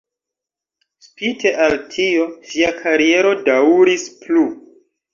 Spite al tio, ŝia kariero daŭris plu.